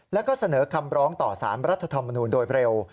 แล้วก็เสนอคำร้องต่อสารรัฐธรรมนูลโดยเร็ว